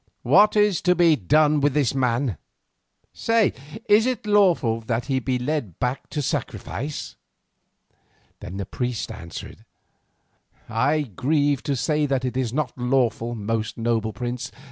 What is to be done with this man? Say, is it lawful that he be led back to sacrifice?" Then the priest answered: "I grieve to say that it is not lawful, most noble prince.